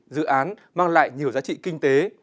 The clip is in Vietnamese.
dự án mang lại nhiều giá trị kinh tế